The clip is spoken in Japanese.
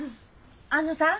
あのさぁ。